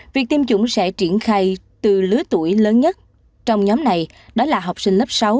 việc tiêm chủng sẽ triển khai từ lứa tuổi lớn nhất trong nhóm này đó là học sinh lớp sáu